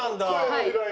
はい。